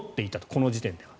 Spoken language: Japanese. この時点では。